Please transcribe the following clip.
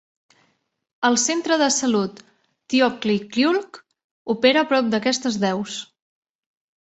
El Centre de Salut Tyoply Klyuch opera prop d'aquestes deus.